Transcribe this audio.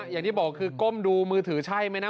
อย่างที่บอกคือก้มดูมือถือใช่ไหมนะ